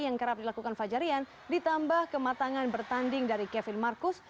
yang kerap dilakukan fajar rian ditambah kematangan bertanding dari kevin marcus